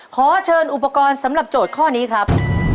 ขอเชิญอุปกรณ์สำหรับโจทย์ข้อนี้ครับ